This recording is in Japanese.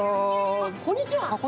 あっこんちは。